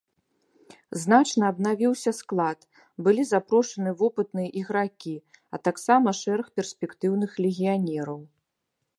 Значна абнавіўся склад, былі запрошаны вопытныя ігракі, а таксама шэраг перспектыўных легіянераў.